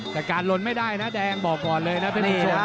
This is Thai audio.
แต่การลนไม่ได้นะแดงบอกก่อนเลยนะเป็นผู้ส่วน